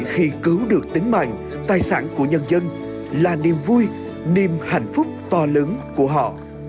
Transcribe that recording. khi cứu được tính mạng tài sản của nhân dân là niềm vui niềm hạnh phúc to lớn của họ